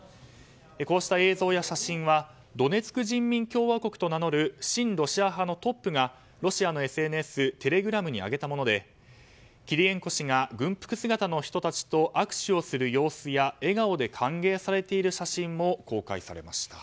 こうした映像や写真はドネツク人民共和国と名乗る親ロシア派のトップがロシアのＳＮＳテレグラムに上げたものでキリエンコ氏が軍服姿の人たちと握手をする様子や笑顔で歓迎されている写真も公開されました。